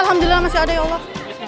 alhamdulillah masih ada ya allah